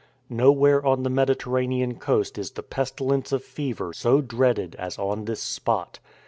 Nowhere on the Mediterranean coast is the pestilence of fever so dreaded as on this spot.